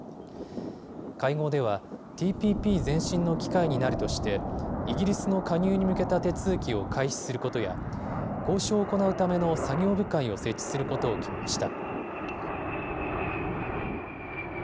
会合では、ＴＰＰ前進の機会になるとして、イギリスの加入に向けた手続きを開始することや、交渉を行うための作業部会を設置することを決めました。